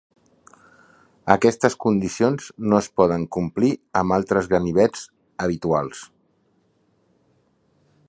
Aquestes condicions no es poden complir amb altres ganivets habituals.